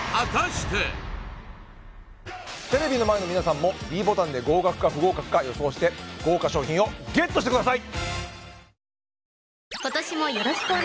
テレビの前の皆さんもｄボタンで合格か不合格か予想して豪華賞品をＧＥＴしてください！